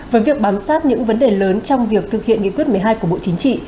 với việc bám sát những vấn đề lớn trong việc thực hiện nghị quyết một mươi hai của bộ chính trị